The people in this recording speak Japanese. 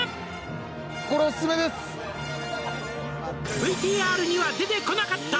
「ＶＴＲには出てこなかった」